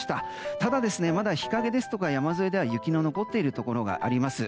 ただ現在も日陰や山沿いでは雪の残っているところがあります。